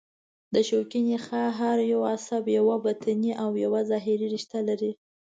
د شوکي نخاع هر یو عصب یوه بطني او یوه ظهري رشته لري.